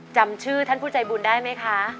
จำชื่อท่านผู้ใจบุญได้ไหมคะ